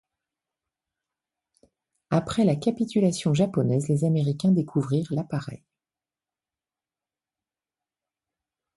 Après la capitulation japonaise, les Américains découvrirent l’appareil.